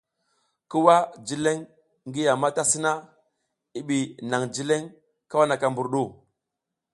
Ki wah jileƞ ngi yam a ta sina, i ɓi naƞ jileƞ kawaka mbur ɗu.